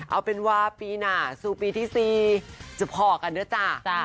เอาเป็นว่าปีหน้าสู่ปีที่๔จะพอกันด้วยจ้า